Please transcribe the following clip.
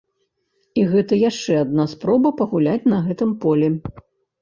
І гэта яшчэ адна спроба пагуляць на гэтым полі.